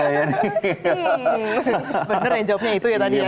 bener ya jawabnya itu ya tadi ya